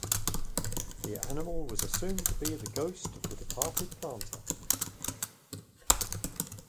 The animal was assumed to be the ghost of the departed planter.